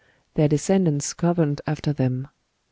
Their descendants governed after them.